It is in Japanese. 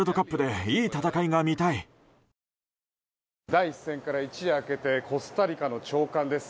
第１戦から一夜明けてコスタリカの朝刊です。